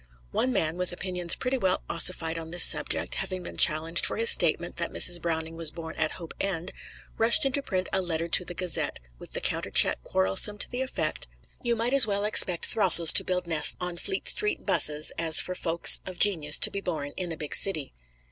One man, with opinions pretty well ossified on this subject, having been challenged for his statement that Mrs. Browning was born at Hope End, rushed into print in a letter to the "Gazette" with the countercheck quarrelsome to the effect, "You might as well expect throstles to build nests on Fleet Street 'buses, as for folks of genius to be born in a big city."